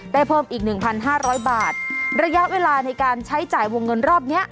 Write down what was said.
ได้เพิ่มอีก๑๕๐๐บาทระยะเวลาในการใช้จ่ายวงเงินรอบนี้